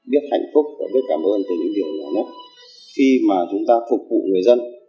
biết hạnh phúc và biết cảm ơn từ những điều nhỏ nhất khi mà chúng ta phục vụ người dân